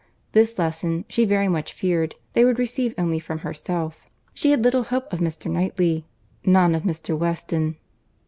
This lesson, she very much feared, they would receive only from herself; she had little hope of Mr. Knightley, none of Mr. Weston.